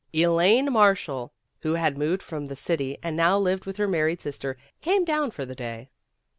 Elaine Marshall, who had moved from the city and now lived with her married sister, came down for the day.